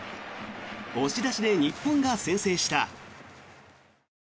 押し出しで日本が先制した。